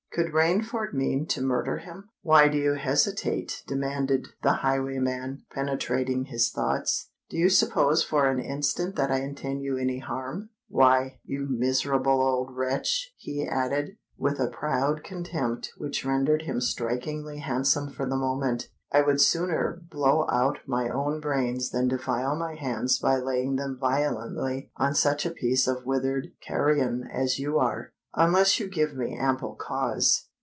Could Rainford mean to murder him? "Why do you hesitate?" demanded the highwayman, penetrating his thoughts. "Do you suppose for an instant that I intend you any harm? Why, you miserable old wretch," he added, with a proud contempt which rendered him strikingly handsome for the moment, "I would sooner blow out my own brains than defile my hands by laying them violently on such a piece of withered carrion as you are—unless you give me ample cause."